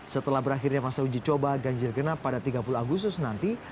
setelah berakhirnya masa uji coba ganjil genap pada tiga puluh agustus nanti